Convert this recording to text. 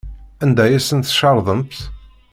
Anda ay asen-tcerḍemt?